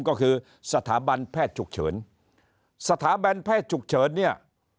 ก็คือสถาบันแพทย์ฉุกเฉินสถาบันแพทย์ฉุกเฉินเนี่ย